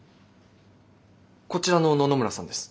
こちらの野々村さんです。